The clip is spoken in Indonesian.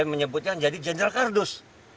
saya menyebutnya jadi jenderal kardus